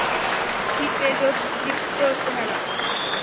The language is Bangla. কী তেজোদীপ্ত চেহারা!